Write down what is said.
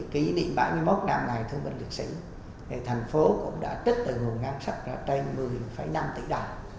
kỷ niệm bảy mươi một năm ngày thương minh liệt sĩ thành phố cũng đã trích từ nguồn ngang sắp ra trên một mươi năm tỷ đồng